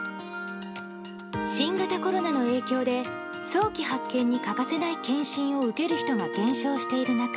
新型コロナの影響で早期発見に欠かせない検診を受ける人が減少している中